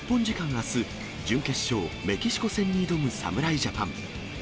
あす、準決勝、メキシコ戦に挑む侍ジャパン。